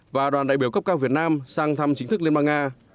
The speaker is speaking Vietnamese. và đoàn đại biểu cấp cao việt nam sang thăm chính thức liên bang nga